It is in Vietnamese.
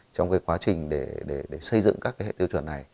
trong cái quá trình để xây dựng các cái hệ tiêu chuẩn này